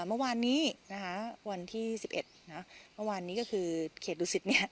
เมื่อวานนี้นะคะวันที่สิบเอ็ดนะเมื่อวานนี้ก็คือเขตดูสิทธิ์เนี้ย